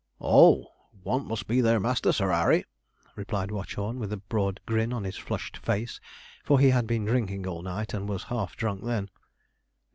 'Oh! want must be their master, Sir 'Arry,' replied Watchorn, with a broad grin on his flushed face, for he had been drinking all night, and was half drunk then.